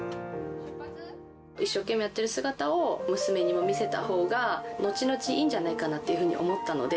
一生懸命やってる姿を娘にも見せたほうが、後々いいんじゃないかなっていうふうに思ったので。